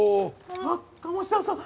あっ鴨志田さん。